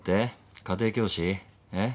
家庭教師？えっ？